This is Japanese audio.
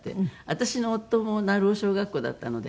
私の夫も鳴尾小学校だったので。